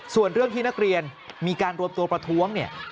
ส่วนเรื่องที่นักเรียนมีการรวมตัวประท้วงเนี่ย